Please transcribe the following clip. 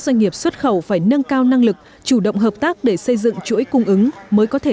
doanh nghiệp xuất khẩu phải nâng cao năng lực chủ động hợp tác để xây dựng chuỗi cung ứng mới có thể